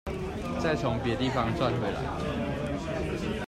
再從別地方賺回來